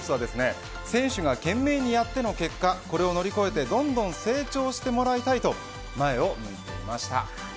ＢＩＧＢＯＳＳは選手が懸命にやっての結果これを乗り越えてどんどん成長してもらいたいと前を向いていました。